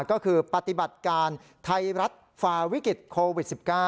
ก็คือปฏิบัติการไทยรัฐฝ่าวิกฤตโควิด๑๙